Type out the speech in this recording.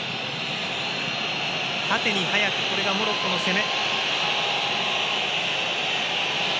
縦に速くこれがモロッコの攻め。